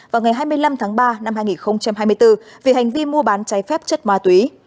vào ngày hai mươi năm tháng ba năm hai nghìn hai mươi bốn vì hành vi mua bán trái phép chất ma túy